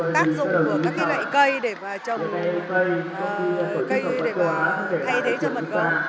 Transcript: tác dụng của các loại cây để trồng cây để thay thế cho mật cấu